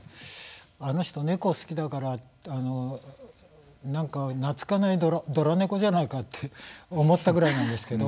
あの人、猫好きだから何か懐かないどら猫じゃないかって思ったぐらいなんですけど